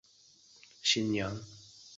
她是村里第一个新娘